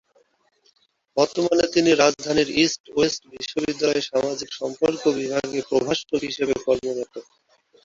বর্তমানে তিনি রাজধানীর ইস্ট ওয়েস্ট বিশ্ববিদ্যালয়ে সামাজিক সম্পর্ক বিভাগে প্রভাষক হিসেবে কর্মরত।